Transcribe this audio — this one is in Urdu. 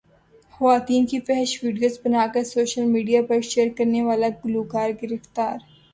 خواتین کی فحش ویڈیوز بناکر سوشل میڈیا پرشیئر کرنے والا گلوکار گرفتار